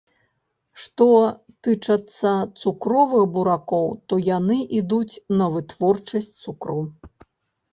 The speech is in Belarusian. Што тычацца цукровых буракоў, то яны ідуць на вытворчасць цукру.